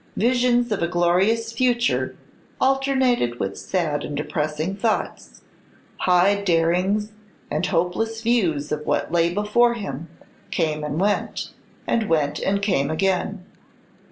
Visions of a glorious future alternated with sad and depressing thoughts; high darings, and hopeless views of what lay before him, came and went, and went and came again.